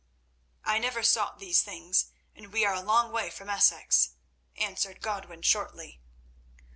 "I never sought these things, and we are a long way from Essex," answered Godwin shortly.